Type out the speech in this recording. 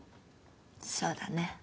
そうだね。